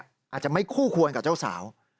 อาจจะไม่คู่ควรกับเจ้าสาว